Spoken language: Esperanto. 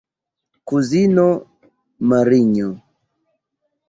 Kuzino Marinjo!